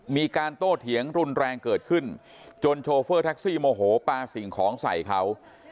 มีการโต้เถียงรุนแรงเกิดขึ้นจนโชเฟอร์แท็กซี่โมโหปลาสิ่งของใส่เขา